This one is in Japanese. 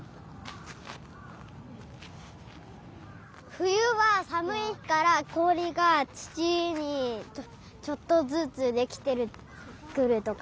ふゆはさむいからこおりがつちにちょっとずつできてくるとか？